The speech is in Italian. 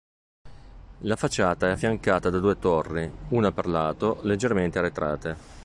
La facciata è affiancata da due torri, una per lato, leggermente arretrate.